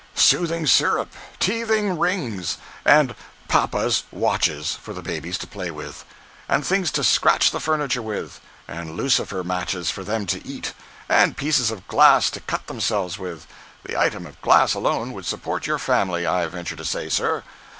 Soothing syrup! Teething rings! And 'papa's watches' for the babies to play with! And things to scratch the furniture with! And lucifer matches for them to eat, and pieces of glass to cut themselves with! The item of glass alone would support your family, I venture to say, sir.